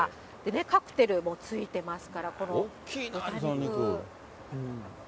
カクテルもついてますから、この豚肉。